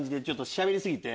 ⁉しゃべり過ぎて？